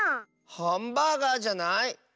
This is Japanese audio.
ハンバーガーじゃない？